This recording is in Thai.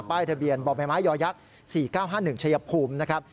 ป้ายทะเบียนปมย๔๙๕๑ชัยภูมินะครับ